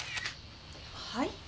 はい？